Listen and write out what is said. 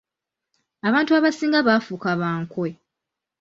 Abantu abasinga baafuuka ba nkwe.